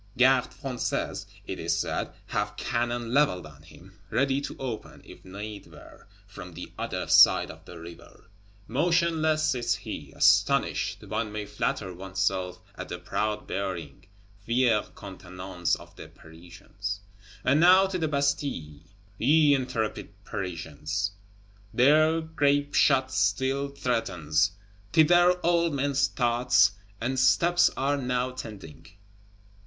Gardes Françaises, it is said, have cannon leveled on him; ready to open, if need were, from the other side of the river. Motionless sits he; "astonished," one may flatter one's self, "at the proud bearing (fière contenance) of the Parisians." And now to the Bastille, ye intrepid Parisians! There grape shot still threatens; thither all men's thoughts and steps are now tending.